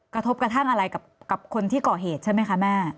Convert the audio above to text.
กระทบกระทั่งอะไรกับคนที่ก่อเหตุใช่ไหมคะแม่